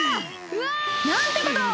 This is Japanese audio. うわ！なんてことを！